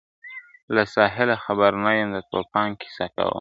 له ساحله خبر نه یم د توپان کیسه کومه ..